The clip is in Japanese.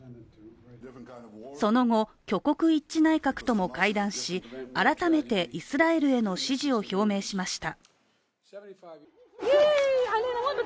その後、挙国一致内閣とも会談し改めてイスラエルへの支持を表明しました。